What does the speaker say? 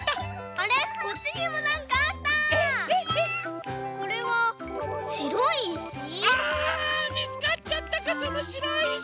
あみつかっちゃったかそのしろいいし。